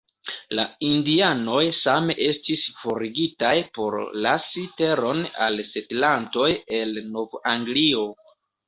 La indianoj same estis forigitaj por lasi teron al setlantoj el Nov-Anglio.